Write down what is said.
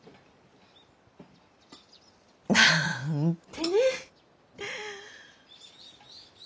なんてね。